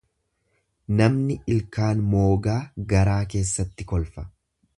Namni ilkaan moogaa garaa keessatti kolfa.